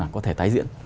không thể tái diễn